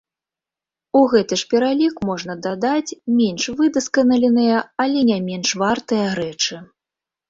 У гэты ж пералік можна дадаць менш выдасканаленыя, але не менш вартыя рэчы.